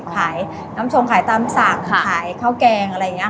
ขายน้ำชงขายตามสั่งขายข้าวแกงอะไรอย่างนี้ค่ะ